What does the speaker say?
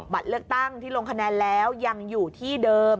บัตรเลือกตั้งที่ลงคะแนนแล้วยังอยู่ที่เดิม